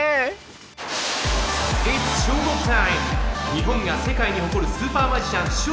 日本が世界に誇るスーパーマジシャン